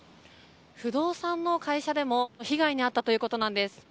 不動産の会社でも被害に遭ったということなんです。